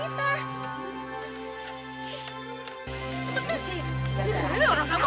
bu mali gak ada di bawah jendela rumah kita